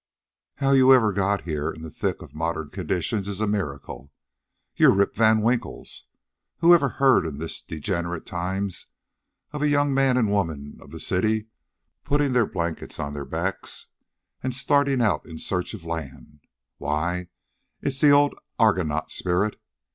How you ever got here in the thick of modern conditions is a miracle. You're Rip Van Winkles. Who ever heard, in these degenerate times, of a young man and woman of the city putting their blankets on their backs and starting out in search of land? Why, it's the old Argonaut spirit.